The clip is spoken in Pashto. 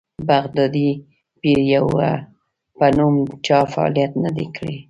بغدادي پیر په نوم چا فعالیت نه دی کړی.